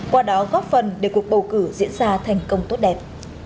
qua đó góp phần để cuộc bầu cử diễn ra thành công tốt đẹp